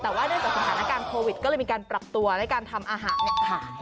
แต่ว่าด้วยสถานการณ์โควิดก็เลยมีการปรับตัวและการทำอาหารหาย